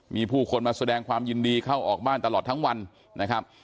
มีผู้คนมาแสดงความยินดีเข้าออกบ้านตลอดทั้งวันนะครับ